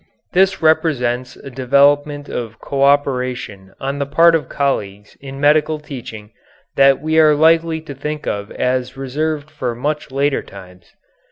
This represents a development of co operation on the part of colleagues in medical teaching that we are likely to think of as reserved for much later times.